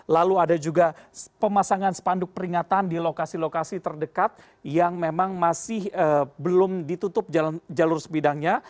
lalu ada juga pemasangan spanduk peringatan di lokasi lokasi terdekat yang memang masih belum ditutup jalur sebidangnya